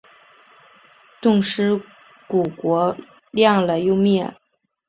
冻尸骨国亮了又灭。